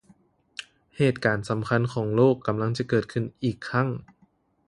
ເຫດການສຳຄັນຂອງໂລກກຳລັງຈະເກີດຂື້ນອີກຄັ້ງ!